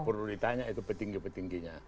perlu ditanya itu petinggi petingginya